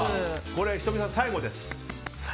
これ仁美さん、最後です。